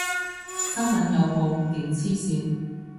新聞有報，勁黐線